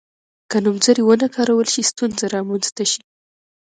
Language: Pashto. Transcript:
که نومځري ونه کارول شي ستونزه رامنځته شي.